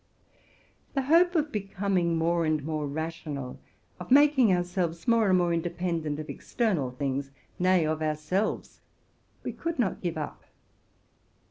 The hope of becoming more and more rational, of making ourselves more and more independent of external things, nay. of ourselves, we could not give up.